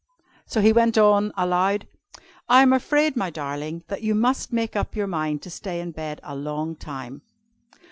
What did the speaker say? So he went on, aloud, "I am afraid, my darling, that you must make up your mind to stay in bed a long time."